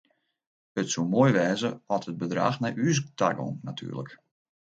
It soe moai wêze at it bedrach nei ús ta gong natuerlik.